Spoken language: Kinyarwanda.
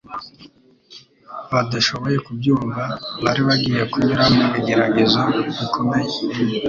Badashoboye kubyumva, bari bagiye kunyura mu bigeragezo bikomeye